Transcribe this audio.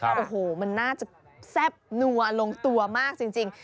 โอ้โหมันน่าจะแซ่บนัวลงตัวมากจริง